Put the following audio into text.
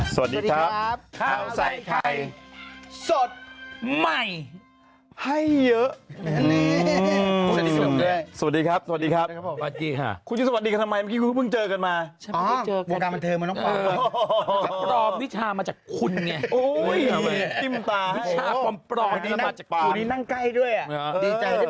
สวัสดีครับข้าวใส่ไข่สดใหม่ให้เยอะสวัสดีครับสวัสดีครับ